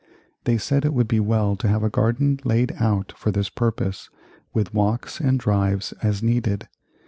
They said it would be well to have a garden laid out for this purpose, with walks and drives as needed.